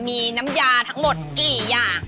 มีน้ำยาทั้งหมดกี่อย่าง